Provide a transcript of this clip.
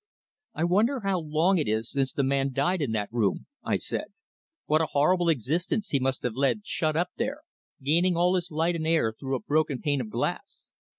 "I wonder how long it is since the man died in that room," I said. "What a horrible existence he must have led shut up there, gaining all his light and air through a broken pane of glass.